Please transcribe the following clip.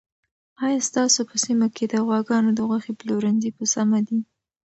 آیا ستاسو په سیمه کې د غواګانو د غوښې پلورنځي په سمه دي؟